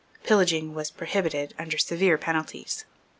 Pillaging was prohibited under severe penalties.